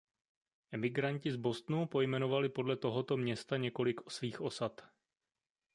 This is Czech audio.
Emigranti z Bostonu pojmenovali podle tohoto města několik svých osad.